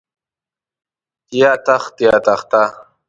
چې يا تخت يا تخته.